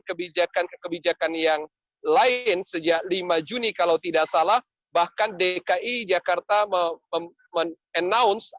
kebijakan kebijakan yang lain sejak lima juni kalau tidak salah bahkan dki jakarta men announce